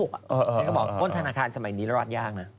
เขาบอกว่าว่นธนาคารสมัยนี้แล้วรอดยากนะ